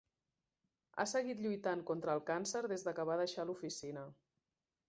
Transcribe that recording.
Ha seguit lluitant contra el càncer des que va deixar l'oficina.